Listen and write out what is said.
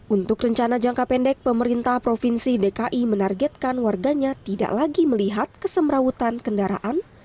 untuk rencana jangka pendek pemerintah provinsi dki menargetkan warganya tidak lagi melihat kesemrawutan kendaraan